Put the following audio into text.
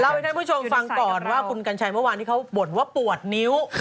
ให้ท่านผู้ชมฟังก่อนว่าคุณกัญชัยเมื่อวานที่เขาบ่นว่าปวดนิ้ว